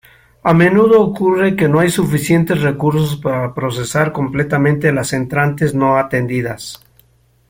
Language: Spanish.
A menudo ocurre que no hay suficientes recursos para procesar completamente las entrantes no-atendidas.